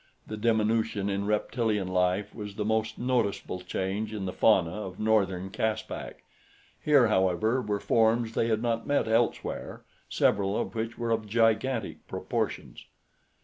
The diminution in reptilian life was the most noticeable change in the fauna of northern Caspak. Here, however, were forms they had not met elsewhere, several of which were of gigantic proportions.